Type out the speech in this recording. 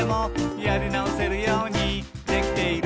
「やりなおせるようにできている」